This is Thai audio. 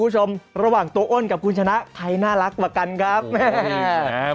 ส่วนตัวอ้นกับคุณชนะใครน่ารักกว่ากันครับ